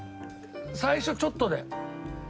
最初ちょっとで。